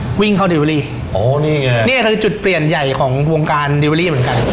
ก็วิ่งเข้าดิเวอรี่อ๋อนี่ไงนี่คือจุดเปลี่ยนใหญ่ของวงการดิเวอรี่เหมือนกัน